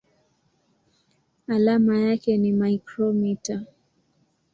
Alama yake ni µm.